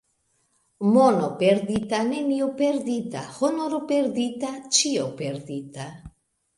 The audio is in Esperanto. Mono perdita, nenio perdita; honoro perdita, ĉio perdita.